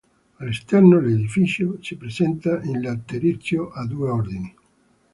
All'esterno l'edificio si presenta in laterizio, a due ordini.